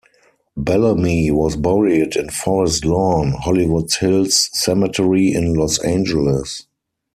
Bellamy was buried in Forest Lawn - Hollywood Hills Cemetery in Los Angeles.